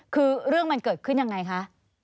คือเรื่องมันเกิดขึ้นยังไงคะ